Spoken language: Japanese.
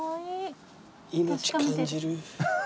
命感じる。